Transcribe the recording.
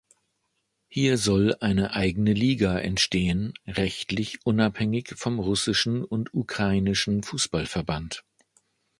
Hier soll eine eigene Liga entstehen, rechtlich unabhängig vom russischen und ukrainischen Fußballverband.